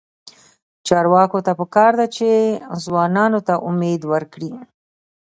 چارواکو ته پکار ده چې، ځوانانو ته امید ورکړي.